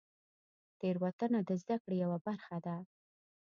تېروتنه د زدهکړې یوه برخه ده.